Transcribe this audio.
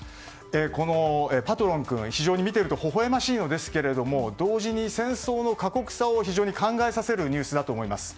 このパトロン君非常に見ていると微笑ましいのですが同時に戦争の過酷さを非常に考えさせるニュースだと思います。